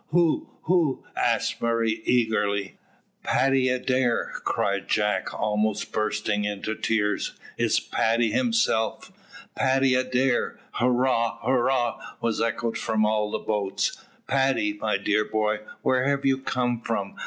"Who? who?" asked Murray eagerly. "Paddy Adair?" cried Jack, almost bursting into tears. "It's Paddy himself." "Paddy Adair, hurrah! hurrah!" was echoed from all the boats. "Paddy, my dear boy, where have you come from?"